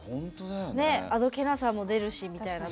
あどけなさも出るしみたいな。